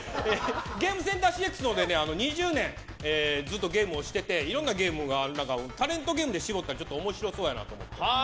「ゲームセンターＣＸ」で２０年ずっとゲームをしてていろんなゲームがある中タレントゲームで絞ったら面白そうやなと思って。